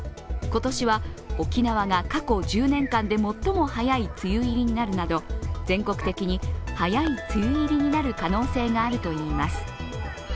今年は沖縄が過去１０年間で最も早い梅雨入りになるなど全国的に早い梅雨入りになる可能性があるといいます。